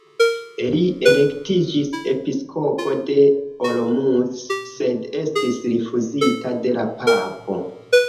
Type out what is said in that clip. Li elektiĝis Episkopo de Olomouc sed estis rifuzita de la papo.